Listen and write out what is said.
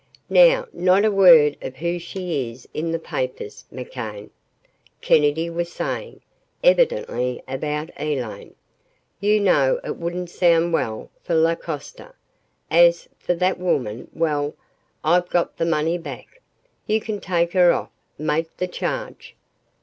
"Now not a word of who she is in the papers, McCann," Kennedy was saying, evidently about Elaine. "You know it wouldn't sound well for La Coste. As for that woman well, I've got the money back. You can take her off make the charge."